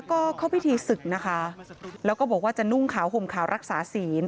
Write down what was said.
ก็เข้าพิธีศึกนะคะแล้วก็บอกว่าจะนุ่งขาวห่มขาวรักษาศีล